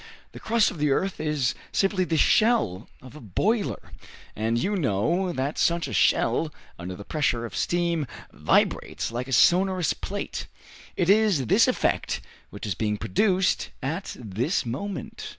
The crust of the earth is simply the shell of a boiler, and you know that such a shell, under the pressure of steam, vibrates like a sonorous plate. It is this effect which is being produced at this moment."